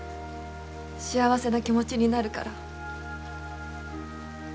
幸せな気持ちになるから